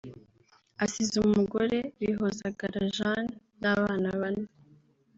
asize umugore Bihozagara Jeanne n’abana bane